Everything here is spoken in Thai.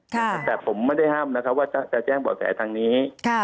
แต่ผมไม่ได้ห้ามว่าจะแจ้งเบาะแสทางนี้